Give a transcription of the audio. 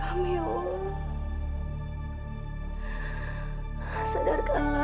lihatlah yang mana damitanya rupanya